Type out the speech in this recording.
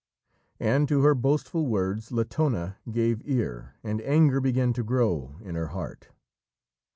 And to her boastful words Latona gave ear, and anger began to grow in her heart.